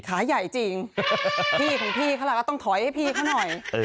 ขาใหญ่จริแหละต้องถอยให้มันหน่อย